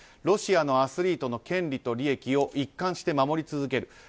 ロシアのアスリートの権利と利益を一貫して守り続ける。